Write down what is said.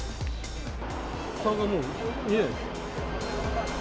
顔がもう、見えないです。